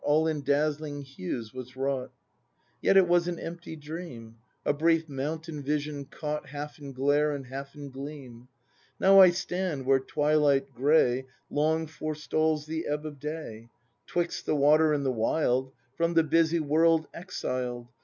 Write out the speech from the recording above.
All in dazzling hues was wrought;— Yet it was an empty dream, A brief mountain vision, caught Half in glare and half in gleam. N o w I stand where twilight gray Long forestalls the ebb of day, 'Twixt the water and the wild, From the busy world exiled.